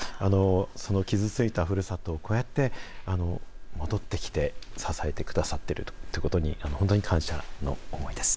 その傷ついたふるさとをこうやって戻ってきて、支えてくださってるということに、本当に感謝の思いです。